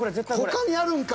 他にあるんか。